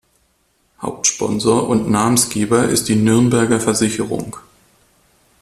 Hauptsponsor und Namensgeber ist die Nürnberger Versicherung.